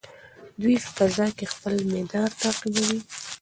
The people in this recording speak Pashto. دوی په فضا کې خپل مدار تعقیبوي.